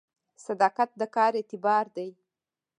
صداقت د کار اعتبار دی